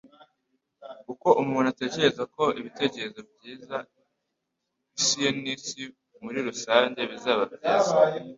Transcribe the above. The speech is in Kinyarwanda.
Uko umuntu atekereza ku bitekerezo byiza, isi ye n'isi muri rusange bizaba byiza.”